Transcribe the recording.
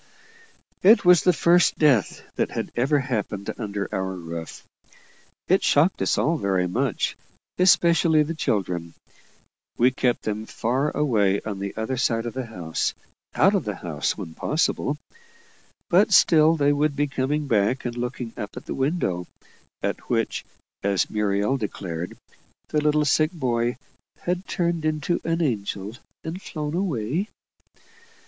It was the first death that had ever happened under our roof. It shocked us all very much, especially the children. We kept them far away on the other side of the house out of the house, when possible but still they would be coming back and looking up at the window, at which, as Muriel declared, the little sick boy "had turned into an angel and flown away."